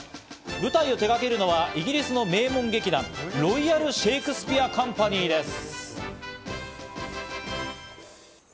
舞台を手がけるのはイギリスの名門劇団ロイヤル・シェイクスピア・カンパニーです。